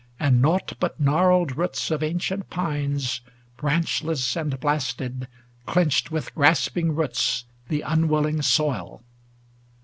And nought but gnarled roots of ancient pines 530 Branchless and blasted, clenched with grasping roots The unwilling soil.